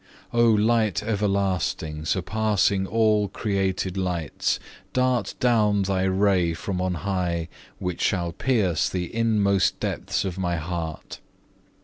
3. O Light everlasting, surpassing all created lights, dart down Thy ray from on high which shall pierce the inmost depths of my heart.